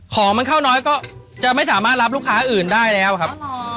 ของมันเข้าน้อยก็จะไม่สามารถรับลูกค้าอื่นได้แล้วครับ